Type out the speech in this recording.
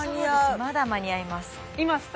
まだ間に合います